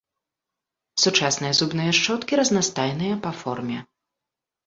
Сучасныя зубныя шчоткі разнастайныя па форме.